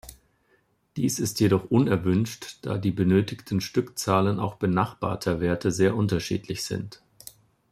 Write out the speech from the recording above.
Dies ist jedoch unerwünscht, da die benötigten Stückzahlen auch benachbarter Werte sehr unterschiedlich sind.